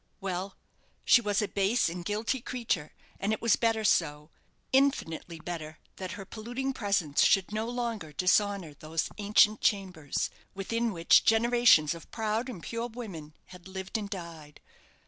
Well, she was a base and guilty creature, and it was better so infinitely better that her polluting presence should no longer dishonour those ancient chambers, within which generations of proud and pure women had lived and died.